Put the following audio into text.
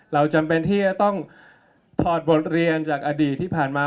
จำเป็นที่จะต้องถอดบทเรียนจากอดีตที่ผ่านมา